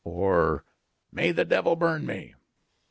or "May the devil burn me!"